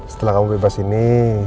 setelah kamu bebas ini